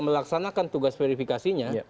melaksanakan tugas verifikasinya